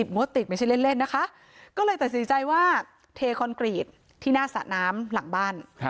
งวดติดไม่ใช่เล่นนะคะก็เลยตัดสินใจว่าเทคอนกรีตที่หน้าสระน้ำหลังบ้าน